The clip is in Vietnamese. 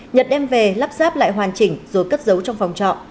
nhật đem về lắp ráp lại hoàn chỉnh rồi cất giấu trong phòng trọ